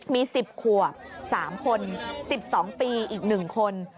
มี๑๐ขวบ๓คน๑๒ปีอีก๑คน